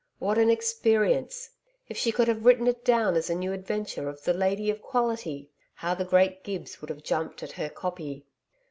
What an experience! If she could have written it down as a new adventure of 'The Lady of Quality,' how the great Gibbs would have jumped at her 'copy!'